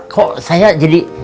kok saya jadi